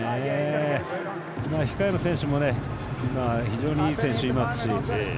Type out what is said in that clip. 控えの選手も非常にいい選手いますし。